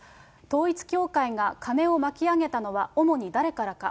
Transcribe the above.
統一教会が金を巻き上げたのは主に誰からか。